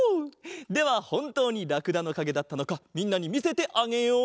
ではほんとうにラクダのかげだったのかみんなにみせてあげよう。